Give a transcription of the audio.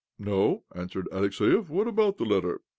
" No," answered Alexiev. " What about the letter?